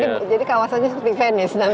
jadi kawasannya seperti venice nanti